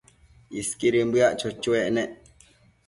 Isquidën bëac cho-choec nec